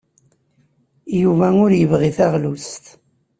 Yuba ur yebɣi taɣlust.